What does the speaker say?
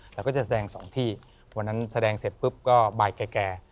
เราก็จะแสดงสองที่วันนั้นแสดงเสร็จปุ๊บก็บ่ายแก่